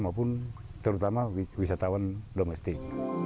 maupun terutama wisatawan domestik